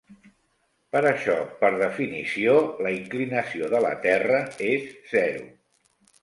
Per això, per definició, la inclinació de la terra és zero.